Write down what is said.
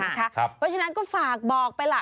เพราะฉะนั้นก็ฝากบอกไปล่ะ